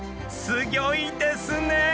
すギョいですね！